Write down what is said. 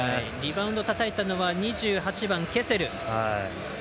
リバウンドたたいたのは２８番、ケセル。